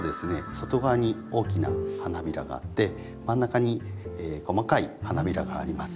外側に大きな花びらがあって真ん中に細かい花びらがあります。